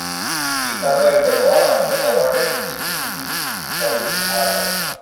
He survived the war and was awarded a Distinguished Service Order.